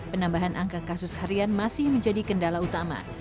penambahan angka kasus harian masih menjadi kendala utama